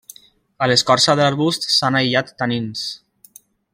A l'escorça de l'arbust s'han aïllat tanins.